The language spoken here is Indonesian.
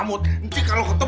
nanti kalo ketemu